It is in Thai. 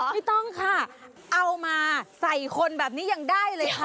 ไม่ต้องค่ะเอามาใส่คนแบบนี้ยังได้เลยค่ะ